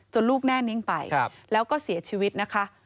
ลูกแน่นิ่งไปแล้วก็เสียชีวิตนะคะ